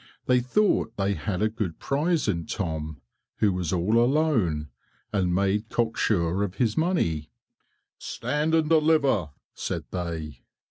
They thought they had a good prize in Tom, who was all alone, and made cocksure of his money. "Stand and deliver!" said they.